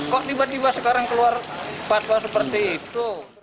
kok tiba tiba sekarang keluar fatwa seperti itu